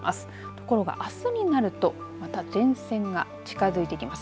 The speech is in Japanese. ところが、あすになるとまた前線が近づいてきます。